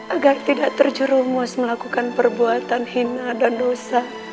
agar tidak terjerumus melakukan perbuatan hina dan dosa